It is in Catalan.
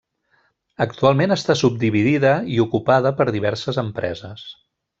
Actualment està subdividida i ocupada per diverses empreses.